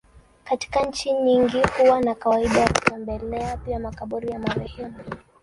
Katika nchi nyingi huwa na kawaida ya kutembelea pia makaburi ya marehemu.